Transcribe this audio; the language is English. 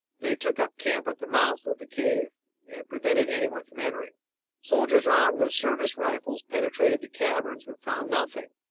They took up camp at the mouth of the cave and prevented everyone from entering. Soldiers armed with service rifles penetrated the caverns, but found nothing.